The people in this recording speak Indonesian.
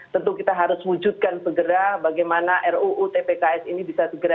tentu kita harus wujudkan segera bagaimana ruu tpks ini bisa segera